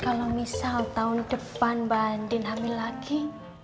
kalau misal tahun depan mbak andin hamil lagi